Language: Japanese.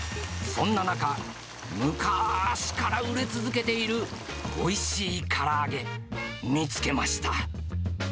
そんな中、昔から売れ続けているおいしから揚げ、見つけました。